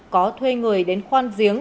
có thuê người đến khoan giếng